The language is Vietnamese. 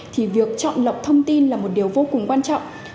thì việc chọn lọc thông tin là một điều vô cùng quan trọng